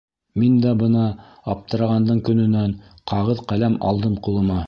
Мин дә бына, аптырағандың көнөнән, ҡағыҙ-ҡәләм алдым ҡулыма.